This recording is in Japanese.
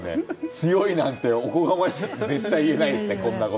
強いなんて、おこがましくて絶対言えないですね。